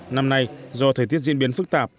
năm nay do thời tiết diễn biến phức tạp